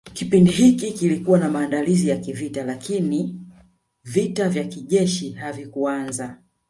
Kipindi hiki kilikuwa na maandalizi ya vita lakini vita vya kijeshi havikuanza